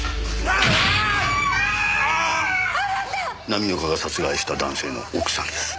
浪岡が殺害した男性の奥さんです。